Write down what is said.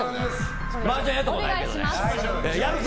マージャンやったことないけどやる気！